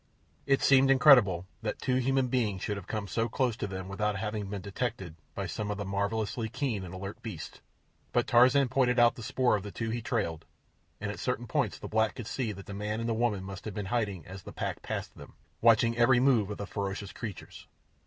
It seemed incredible that two human beings should have come so close to them without having been detected by some of the marvellously keen and alert beasts; but Tarzan pointed out the spoor of the two he trailed, and at certain points the black could see that the man and the woman must have been in hiding as the pack passed them, watching every move of the ferocious creatures.